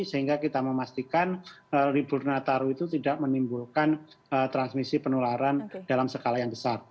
karena kebetulan ribut nataru itu tidak menimbulkan transmisi penularan dalam skala yang besar